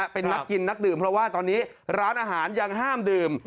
เป็นนักกินนักดื่มเพราะว่าตอนนี้ร้านอาหารยังห้ามดื่ม